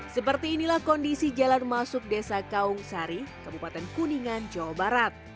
seperti inilah kondisi jalan masuk desa kaungsari kabupaten kuningan jawa barat